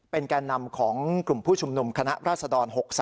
แก่นำของกลุ่มผู้ชุมนุมคณะราษฎร๖๓